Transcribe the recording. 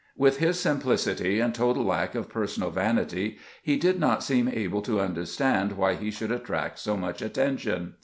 With his simplicity and total lack of personal vanity, he did not seem able to understand why he should attract so much attention.